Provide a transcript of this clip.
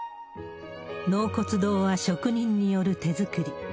納骨堂は職人による手作り。